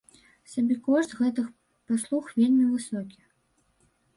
Сабекошт гэтых паслуг вельмі высокі.